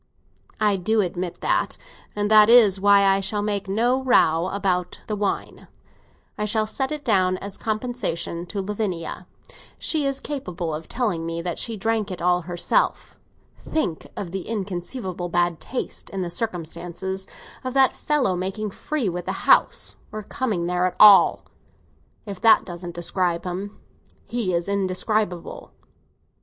"I do admit that, and that is why I shall make no row about the wine; I shall set it down as compensation to Lavinia. She is capable of telling me that she drank it all herself. Think of the inconceivable bad taste, in the circumstances, of that fellow making free with the house—or coming there at all! If that doesn't describe him, he is indescribable."